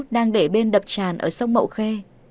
đang để bên đập tràn ở sông mậu khê